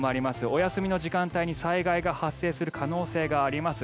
お休みの時間帯に災害が発生する可能性があります。